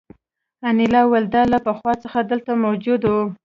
انیلا وویل دا له پخوا څخه دلته موجود وو